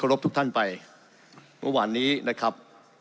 รบทุกท่านไปเมื่อวานนี้นะครับ